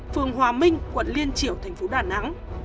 phường hòa minh quận liên triểu thành phố đà nẵng